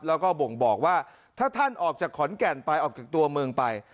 แล้วก็บ่งบอกว่าถ้าท่านออกจากขอนแก่นไปออกจากตัวเมืองไป